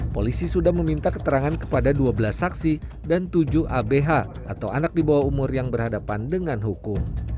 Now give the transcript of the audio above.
polisi sudah meminta keterangan kepada dua belas saksi dan tujuh abh atau anak di bawah umur yang berhadapan dengan hukum